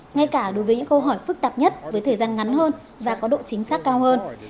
ngay cả đối với những câu hỏi phức tạp nhất với thời gian ngắn hơn và có độ chính xác cao hơn